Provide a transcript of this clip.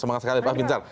semangat sekali pak bin sar